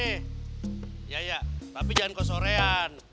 iya iya tapi jangan ke sorean